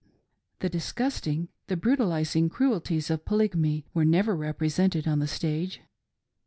The disgusting, the brutalising cruelties of Polygamy were never represented on the stage.